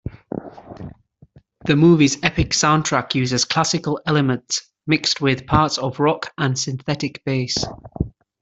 The movie's epic soundtrack uses classical elements mixed with parts of rock and synthetic bass.